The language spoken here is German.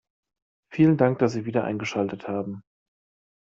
Vielen Dank, dass Sie wieder eingeschaltet haben.